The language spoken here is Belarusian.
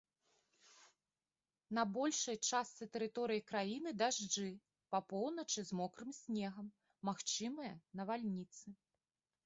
На большай частцы тэрыторыі краіны дажджы, па поўначы з мокрым снегам, магчымыя навальніцы.